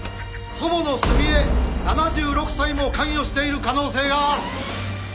祖母の澄江７６歳も関与している可能性がある。